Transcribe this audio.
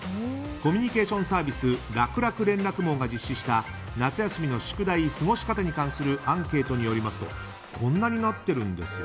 コミュニケーションサービスらくらく連絡網が実施した夏休みの宿題・過ごし方に関するアンケートによりますとこんなになっているんです。